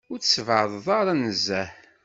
Ur tessbeεdeḍ ara nezzeh.